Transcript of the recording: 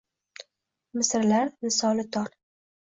– Misralar misoli tor.